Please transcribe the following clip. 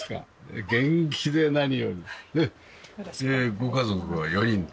ご家族は４人で？